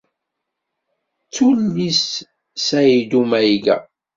S tullist "Ṣayddu Mayga."